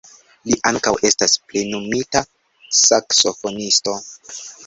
Li ankaŭ estas plenumita saksofonisto.